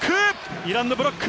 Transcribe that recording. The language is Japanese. イランのブロック！